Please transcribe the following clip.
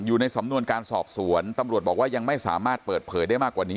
อยู่ในสำนวนการสอบสวนตำรวจบอกว่ายังไม่สามารถเปิดเผยได้มากกว่านี้